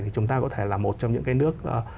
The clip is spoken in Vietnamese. chúng ta có thể là một trong những cái nước